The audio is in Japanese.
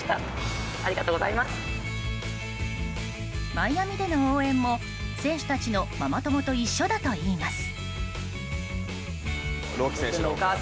マイアミでの応援も選手たちのママ友と一緒だといいます。